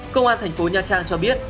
công an thành phố nha trang cho biết